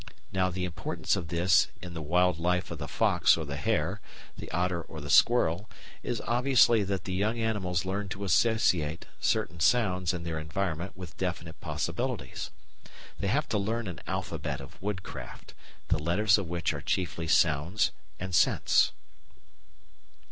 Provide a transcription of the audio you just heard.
Now the importance of this in the wild life of the fox or the hare, the otter or the squirrel, is obviously that the young animals learn to associate certain sounds in their environment with definite possibilities. They have to learn an alphabet of woodcraft, the letters of which are chiefly sounds and scents.